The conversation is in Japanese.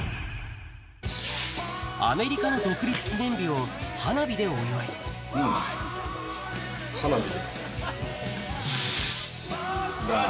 アメリカの独立記念日を花火花火。